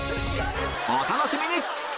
お楽しみに！